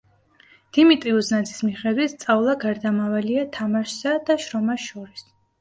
დიმიტრი უზნაძის მიხედვით, სწავლა გარდამავალია თამაშსა და შრომას შორის.